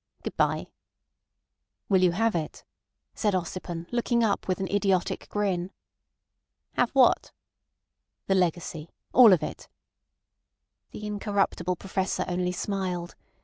Good bye." "Will you have it?" said Ossipon, looking up with an idiotic grin. "Have what?" "The legacy. All of it." The incorruptible Professor only smiled.